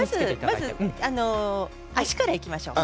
まず足からいきましょう。